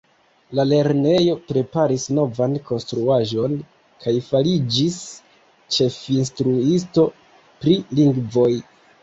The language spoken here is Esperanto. La lernejo preparis novan konstruaĵon kaj li fariĝis ĉefinstruisto pri lingvoj.